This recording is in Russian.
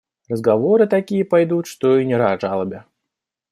Разговоры такие пойдут, что и не рад жалобе!